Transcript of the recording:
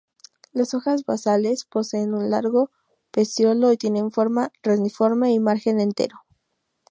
Las hojas basales poseen un largo peciolo y tienen forma reniforme y margen entero.